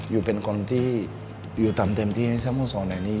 อยู่เป็นคนที่อยู่ตามเต็มที่ให้สัมภาษณ์ในนี้